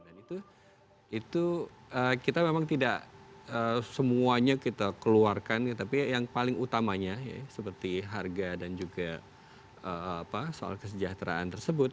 dan itu kita memang tidak semuanya kita keluarkan tapi yang paling utamanya seperti harga dan juga soal kesejahteraan tersebut